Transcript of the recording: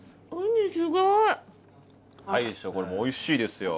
大将これおいしいですよ。